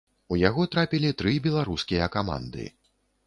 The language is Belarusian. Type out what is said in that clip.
У яго трапілі тры беларускія каманды.